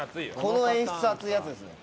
この演出熱いやつですね。